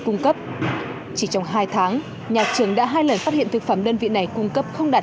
cung cấp chỉ trong hai tháng nhà trường đã hai lần phát hiện thực phẩm đơn vị này cung cấp không đạt